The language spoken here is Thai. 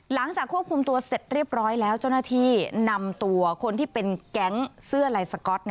หลังจากควบคุมตัวเสร็จเรียบร้อยแล้วเจ้าหน้าที่นำตัวคนที่เป็นแก๊งเสื้อลายสก๊อต